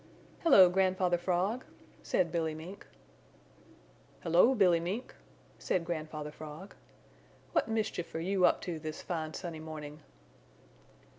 "Hello, Grandfather Frog," said Billy Mink. "Hello, Billy Mink," said Grandfather Frog. "What mischief are you up to this fine sunny morning?"